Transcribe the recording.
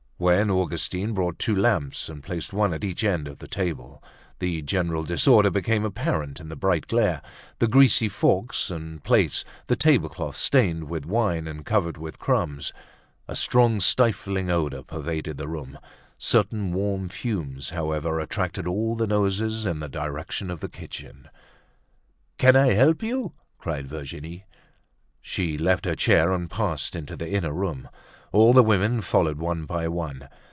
When Augustine brought two lamps and placed one at each end of the table, the general disorder became apparent in the bright glare—the greasy forks and plates, the table cloth stained with wine and covered with crumbs. A strong stifling odor pervaded the room. Certain warm fumes, however, attracted all the noses in the direction of the kitchen. "Can I help you?" cried Virginie. She left her chair and passed into the inner room. All the women followed one by one.